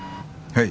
はい。